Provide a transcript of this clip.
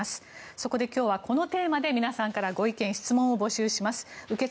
そこで今日はこのテーマで皆さんからご意見・質問を募集します。